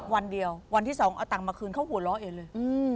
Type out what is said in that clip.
วันเดียววันที่๒เอาตังค์มาคืนเขาหัวเราะเองเลย